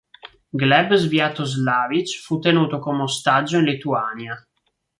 Gleb Svyatoslavich fu tenuto come ostaggio in Lituania.